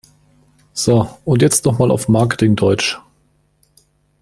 So, und jetzt noch mal auf Marketing-Deutsch!